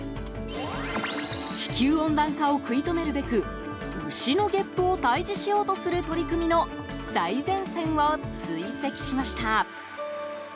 地球温暖化を食い止めるべく牛のげっぷを退治しようとする取り組みの最前線を追跡しました。